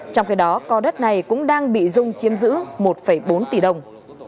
trong khi đó co đất này cũng đang bị dung chiếm giữ một bốn tỷ đồng